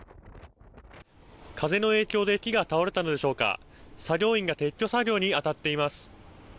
風の影響で木が倒れたのでしょうか、作業員が撤去作業に当たっています。